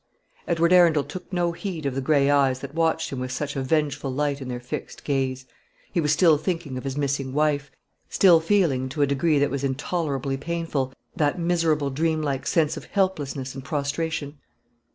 Edward Arundel took no heed of the grey eyes that watched him with such a vengeful light in their fixed gaze. He was still thinking of his missing wife, still feeling, to a degree that was intolerably painful, that miserable dream like sense of helplessness and prostration.